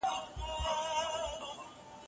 عمر په بیړه د غلام خاوند ته ورغی.